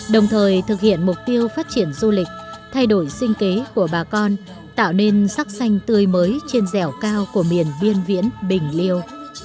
đồng thời thực hiện mục tiêu phát triển du lịch thay đổi sinh kế của bà con tạo nên sắc xanh tươi mới trên dẻo cao của miền biên viễn bình liêu